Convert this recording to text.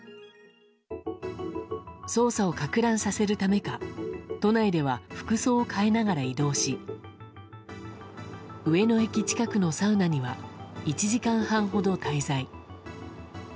捜査をかく乱させるためか都内では服装を変えながら移動し上野駅近くのサウナには１時間半ほど滞在。